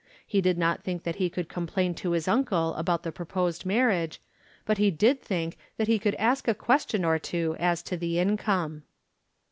He did not think that he could complain to his uncle about the proposed marriage; but he did think that he could ask a question or two as to the income.